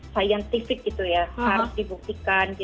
scientific harus dibuktikan